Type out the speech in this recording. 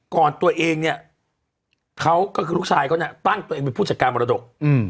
ก่อนตัวเองลูกชายเขาตั้งตัวเองเป็นผู้จัดการมรดก